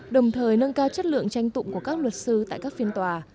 đồng thời nâng cao chất lượng tranh tụng của các luật sư tại các phiên tòa